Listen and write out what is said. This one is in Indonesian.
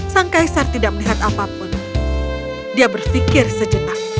sang kaisar tidak melihat apapun dia berpikir sejenak